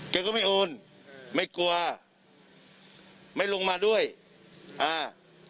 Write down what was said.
แกก็ไม่โอนไม่กลัวไม่ลงมาด้วยอ่า